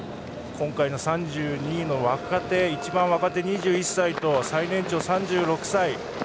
今回の３２人の一番若手２１歳と最年長の３６歳。